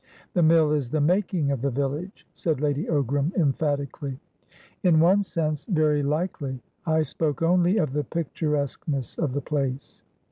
"The mill is the making of the village," said Lady Ogram, emphatically. "In one sense, very likely. I spoke only of the picturesqueness of the place."